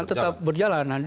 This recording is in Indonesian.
iya tetap berjalan